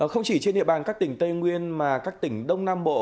không chỉ trên địa bàn các tỉnh tây nguyên mà các tỉnh đông nam bộ